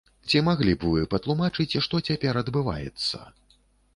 Ці маглі б вы патлумачыць, што цяпер адбываецца?